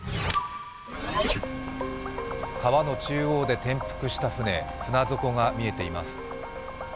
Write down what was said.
川の中央で転覆した舟、船底が見えています。